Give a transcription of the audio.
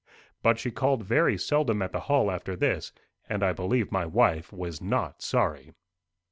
But she called very seldom at the Hall after this, and I believe my wife was not sorry.